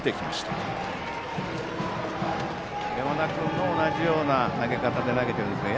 山田君も同じような投げ方で投げてますね。